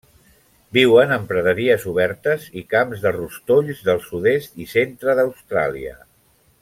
Viuen en praderies obertes i camps de rostolls del sud-est i centre d'Austràlia.